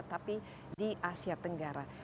tapi di asia tenggara